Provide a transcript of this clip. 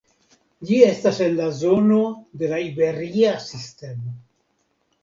Ĝi estas en la zono de la Iberia Sistemo.